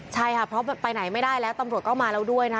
ใช่ค่ะเพราะไปไหนไม่ได้แล้วตำรวจก็มาแล้วด้วยนะคะ